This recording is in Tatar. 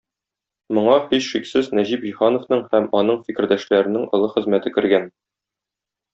Моңа, һичшиксез, Нәҗип Җиһановның һәм аның фикердәшләренең олы хезмәте кергән.